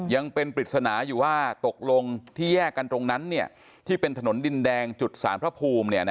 ยังเป็นปริศนาอยู่ว่าตกลงที่แยกกันตรงนั้นที่เป็นถนนดินแดงจุดสารพระภูมิ